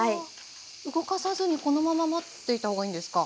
動かさずにこのまま待っていた方がいいんですか？